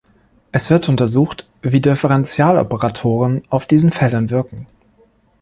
Es wird untersucht, wie Differentialoperatoren auf diesen Feldern wirken.